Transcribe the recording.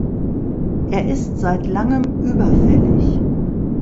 Er ist seit langem überfällig.